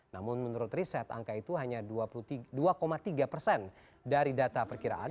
namun menurut riset angka itu hanya dua tiga persen dari data perkiraan